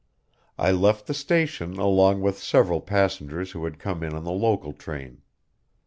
I left the station along with several passengers who had come in on the local train.